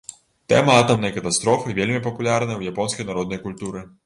Тэма атамнай катастрофы вельмі папулярная ў японскай народнай культуры.